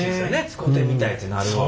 使てみたいってなるわ。